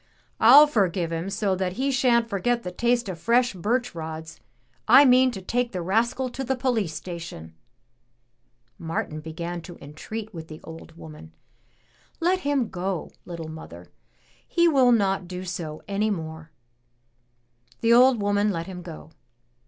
"I'll forgive him so that he shan't forget the taste of fresh birch rods. I mean to take the rascal to the poUce station." Martin began to entreat with the old woman. "Let him go, little mother; he will not do so any more." The old woman let him go.